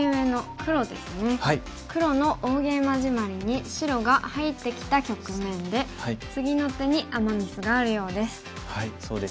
黒の大ゲイマジマリに白が入ってきた局面で次の手にアマ・ミスがあるようです。